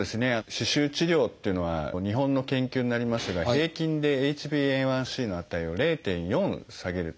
歯周治療っていうのは日本の研究になりますが平均でＨｂＡ１ｃの値を０．４下げるという報告もございます。